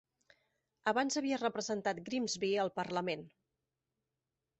Abans havia representat Grimsby al Parlament.